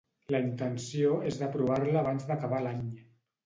La intenció és d’aprovar-la abans d’acabar l’any.